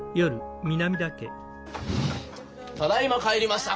ただいま帰りました！